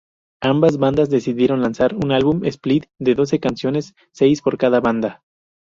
Ambas bandas decidieron lanzar un álbum split de doce canciones, seis por cada banda.